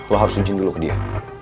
lo harus kunci dulu ke dia